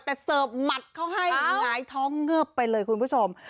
แต่เสิร์ฟหมัดเขาให้หงายท้องเงือบไปเลยคุณผู้ชม